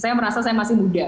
saya merasa saya masih muda